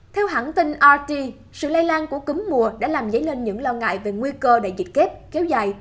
theo hãng tin rt sự lây lan của cúm mùa đã làm dấy lên những lo ngại về nguy cơ đại dịch kép kéo dài